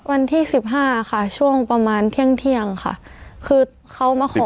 วันที่สิบห้าค่ะช่วงประมาณเที่ยงเที่ยงค่ะคือเขามาขอ